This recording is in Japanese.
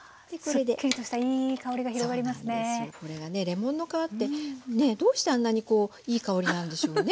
レモンの皮ってどうしてあんなにいい香りなんでしょうね？